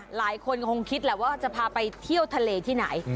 หลายคนคงคิดแหละว่าจะพาไปเที่ยวทะเลที่ไหน